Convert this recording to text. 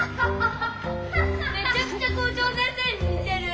めちゃくちゃ校長先生ににてる。